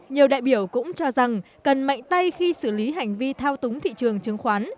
nhiều đại biểu cũng cho rằng cần mạnh tay khi xử lý hành vi thao túng thị trường chứng khoán